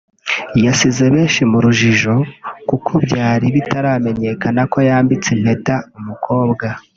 yasize benshi mu rujijo kuko byari bitaramenyekana ko yambitse impeta umukobwa